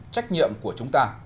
bốn trách nhiệm của chúng ta